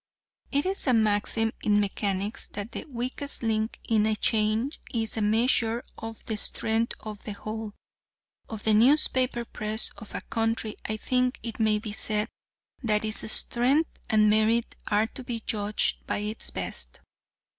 It is a maxim in mechanics that the weakest link in a chain is a measure of the strength of the whole. Of the newspaper Press of a country I think it may be said that its strength and merit are to be judged by its best.